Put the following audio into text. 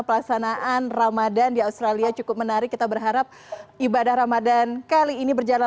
pelaksanaan ramadhan di australia cukup menarik kita berharap ibadah ramadan kali ini berjalan